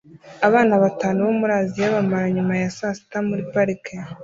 Abana batanu bo muri Aziya bamara nyuma ya saa sita muri parike